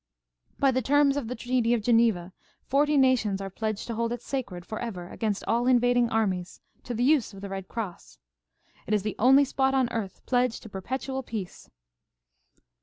By the terms of the treaty of Geneva, forty nations are pledged to hold it sacred for ever against all invading armies, to the use of the Red Cross. It is the only spot on earth pledged to perpetual peace."